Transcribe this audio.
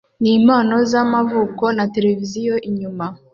nimpano zamavuko na tereviziyo inyuma